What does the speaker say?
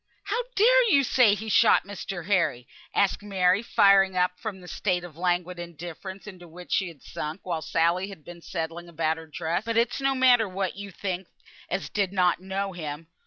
"How dare you say he shot Mr. Harry?" asked Mary, firing up from the state of languid indifference into which she had sunk while Sally had been settling about her dress. "But it's no matter what you think as did not know him.